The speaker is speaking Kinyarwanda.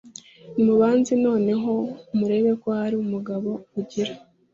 Nimubanze noneho murebe ko hari umugabo ugira